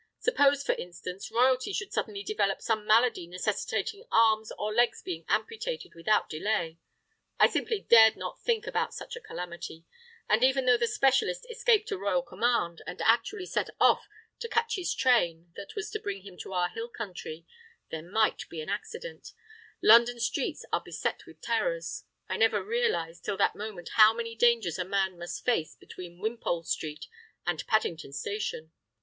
Suppose, for instance, royalty should suddenly develop some malady necessitating arms or legs being amputated without delay——! I simply dared not think about such a calamity; and even though the specialist escaped a royal command, and actually set off to catch the train that was to bring him to our hill country, there might be an accident; London streets are beset with terrors; I never realised till that moment how many dangers a man must face between Wimpole Street and Paddington Station!